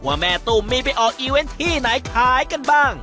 ว่าแม่ตุ้มมีไปออกอีเวนต์ที่ไหนขายกันบ้าง